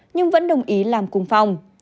nhưng vẫn đồng ý làm cùng phong